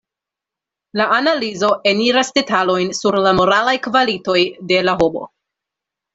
La analizo eniras detalojn sur la moralaj kvalitoj de la homo.